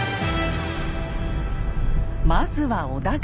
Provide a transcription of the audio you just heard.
まずは織田軍。